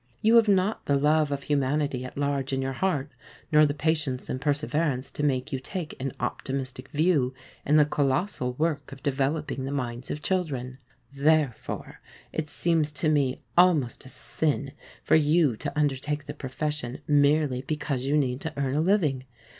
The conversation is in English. You have not the love of humanity at large in your heart, nor the patience and perseverance to make you take an optimistic view in the colossal work of developing the minds of children. Therefore it seems to me almost a sin for you to undertake the profession merely because you need to earn a living.